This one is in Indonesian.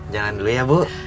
jalan dulu ya bu